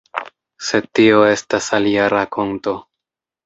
Sed tio estas alia rakonto.